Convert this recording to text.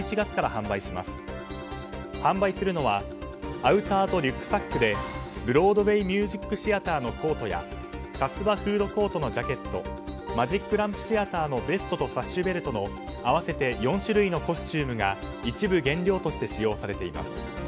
販売するのはアウターとリュックサックでブロードウェーミュージックシアターのコートやフードコートのジャケットマジックランプシアターのベストとサッシュベルトの合わせて４種類のコスチュームが一部原料として使用されています。